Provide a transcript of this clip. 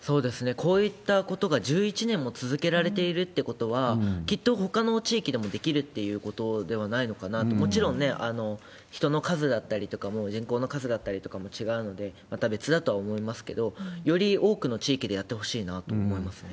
こういったことが１１年も続けられているってことは、きっとほかの地域でもできるっていうことではないのかなと、もちろんね、人の数だったりとかも、人口の数だったりとかも違うので、また別だとは思いますけれども、より多くの地域でやってほしいなと思いますね。